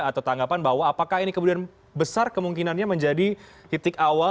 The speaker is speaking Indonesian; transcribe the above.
atau tanggapan bahwa apakah ini kemudian besar kemungkinannya menjadi titik awal